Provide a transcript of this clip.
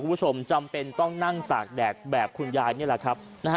คุณผู้ชมจำเป็นต้องนั่งตากแดดแบบคุณยายนี่แหละครับนะฮะ